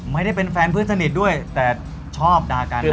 ไม่ได้เป็นแฟนเพื่อนสนิทด้วยแต่ชอบด่ากัน